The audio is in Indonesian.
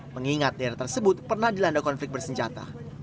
mengingat daerah tersebut pernah dilanda konflik bersenjata